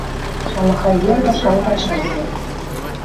Шалахай велнӹ шалга шӹргӹ